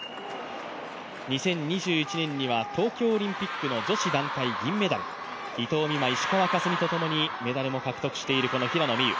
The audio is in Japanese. ２０２１年には東京オリンピックの女子団体銀メダル、伊藤美誠、石川佳純とともにメダルを獲得している平野美宇